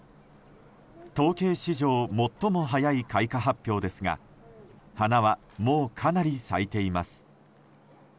統計史上最も早い開花発表ですが花は、もうかなり咲いています。